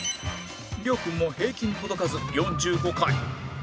亮君も平均届かず４５回